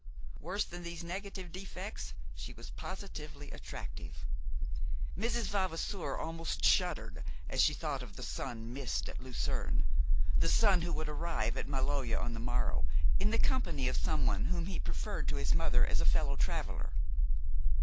Worse than these negative defects, she was positively attractive! Mrs. Vavasour almost shuddered as she thought of the son "missed" at Lucerne, the son who would arrive at Maloja on the morrow, in the company of someone whom he preferred to his mother as a fellow traveler.